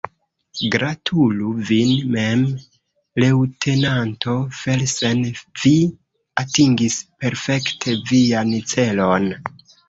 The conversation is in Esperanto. Gratulu vin mem, leŭtenanto Felsen, vi atingis perfekte vian celon!